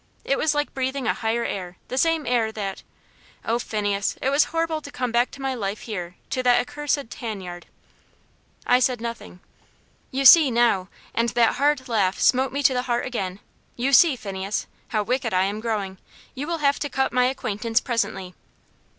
It was like breathing a higher air, the same air that Oh, Phineas, it was horrible to come back to my life here to that accursed tan yard!" I said nothing. "You see, now" and that hard laugh smote me to the heart again "you see, Phineas, how wicked I am growing. You will have to cut my acquaintance presently."